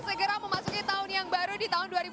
segera memasuki tahun yang baru di tahun